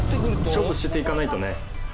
勝負していかないとね。